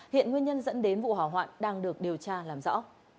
hiện nguyên nhân dẫn đến vụ hỏa hoạn đang được điều tra làm rõ